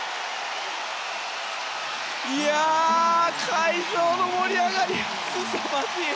会場の盛り上がりすさまじい！